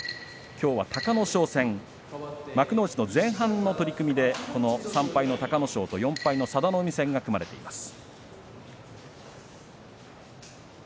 きょうは隆の勝戦幕内の前半の取組で３敗の隆の勝と４敗の佐田の海の対戦が組まれています。